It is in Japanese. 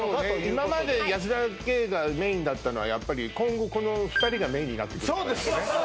今まで保田圭がメインだったのはやっぱり今後この２人がメインになってくるそうです